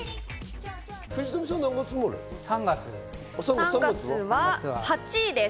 ３月です。